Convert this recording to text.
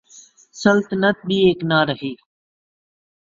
سلطنت بھی ایک نہ رہی۔